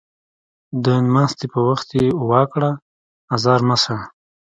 د نماستي په وخت يې وا کړه ازار مه شه